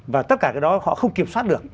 và tất cả cái đó họ không kiểm soát được